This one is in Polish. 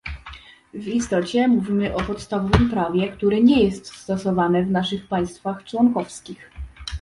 W istocie, mówimy o podstawowym prawie, które nie jest stosowane w naszych państwach członkowskich